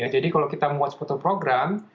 jadi kalau kita membuat sebuah program